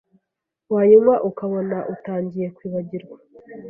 wayinkwa ukabona utangiye kwibagirwa,